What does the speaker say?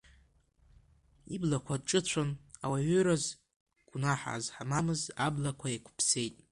Иблақәа ҿыцәон ауаҩыраз, гәнаҳа змамыз аблақәа еиқәԥсеит…